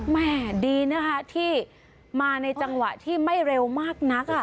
แม่ดีนะคะที่มาในจังหวะที่ไม่เร็วมากนัก